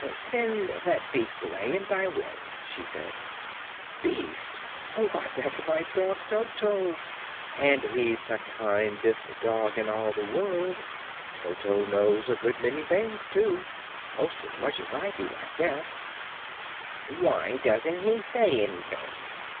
"Send that beast away and I will," she said. "Beast! Why, that's my dog Toto, an' he's the kindest dog in all the world. Toto knows a good many things, too; 'most as much as I do, I guess." "Why doesn't he say anything?"